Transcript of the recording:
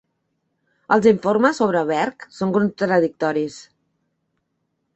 Els informes sobre Berg són contradictoris.